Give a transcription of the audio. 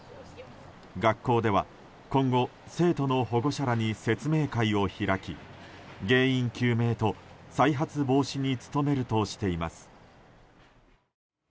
学校では今後生徒の保護者らに説明会を開き原因究明と再発防止に努めるとしています。